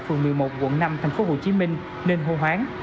phường một mươi một quận năm tp hcm nên hô hoáng